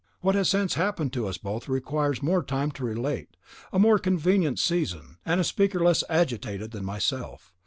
What has since happened to us both requires more time to relate, a more convenient season, and a speaker less agitated than myself.